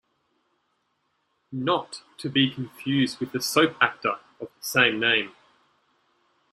Not to be confused with the soap actor of the same name.